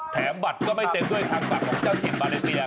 แถมบัตรก็ไม่เต็มด้วยทางฝากของเจ้าถิ่นมาเลเซียครับ